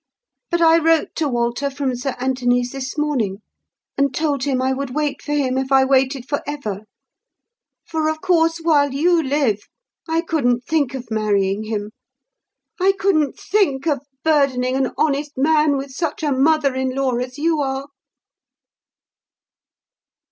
... But I wrote to Walter from Sir Anthony's this morning, and told him I would wait for him if I waited forever. For, of course, while you live, I couldn't think of marrying him. I couldn't think of burdening an honest man with such a mother in law as you are!"